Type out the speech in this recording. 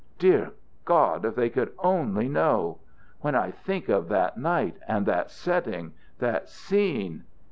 Dear God, if they could only know! When I think of that night and that setting, that scene!